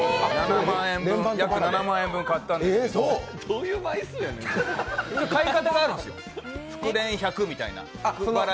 約７万円分買ったんですけど買い方があるんですよ、連バラ１００みたいな。